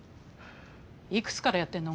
いくつからやってんの？